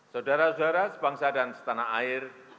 saudara saudara sebangsa dan setanah air